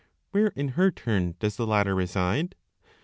Where, in her turn, does the latter reside?